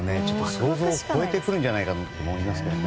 想像を超えてくるんじゃないかと思いますけどね。